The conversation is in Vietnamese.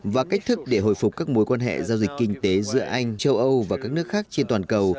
và cách thức để hồi phục các mối quan hệ giao dịch kinh tế giữa anh châu âu và các nước khác trên toàn cầu